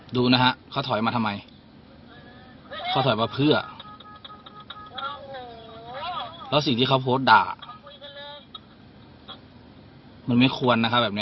ดูนะฮะเขาถอยมาทำไมเขาถอยมาเพื่อแล้วสิ่งที่เขาโพสต์ด่ามันไม่ควรนะครับแบบนี้